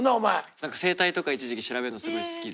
何か生態とか一時期調べるのすごい好きで。